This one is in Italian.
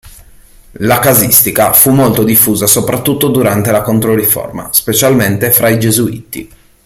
La casistica fu molto diffusa soprattutto durante la Controriforma, specialmente fra i Gesuiti.